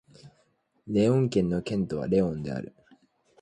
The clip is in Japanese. レオン県の県都はレオンである